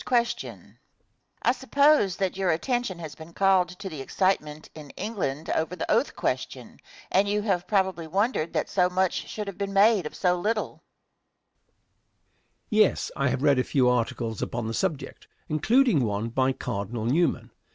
Question. I suppose that your attention has been called to the excitement in England over the oath question, and you have probably wondered that so much should have been made of so little? Answer. Yes; I have read a few articles upon the subject, including one by Cardinal Newman.